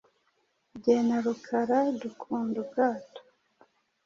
jye na Rukara dukunda ubwato.